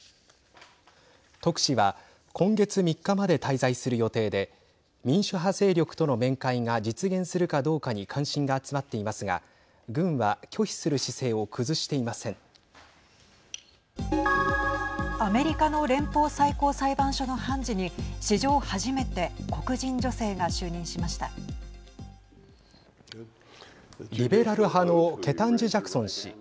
特使は今月３日まで滞在する予定で民主派勢力との面会が実現するかどうかに関心が集まっていますが軍は拒否する姿勢をアメリカの連邦最高裁判所の判事に史上初めてリベラル派のケタンジ・ジャクソン氏。